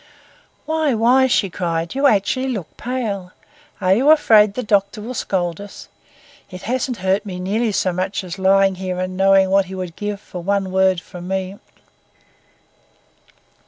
"Why, why!" she cried. "You actually look pale. Are you afraid the doctor will scold us? It hasn't hurt me nearly so much as lying here and knowing what he would give for one word from me."